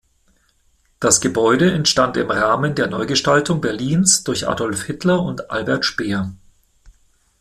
Das Gebäude entstand im Rahmen der Neugestaltung Berlins durch Adolf Hitler und Albert Speer.